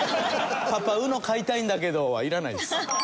「パパＵＮＯ買いたいんだけど」はいらないです。